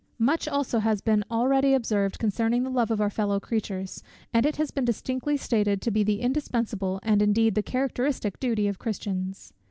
Much also has been already observed concerning the love of our fellow creatures, and it has been distinctly stated to be the indispensable, and indeed the characteristic duty of Christians.